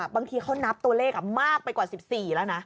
บางทีเขานับตัวเลขมากไปกว่า๑๔แล้วนะ